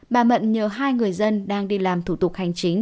bà mận nhờ hai người dân đang đi làm thủ tục hành chính